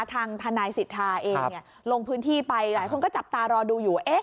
ทางทนายสิทธาเองลงพื้นที่ไปหลายคนก็จับตารอดูอยู่